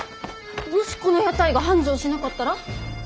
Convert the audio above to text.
もしこの屋台が繁盛しなかったら？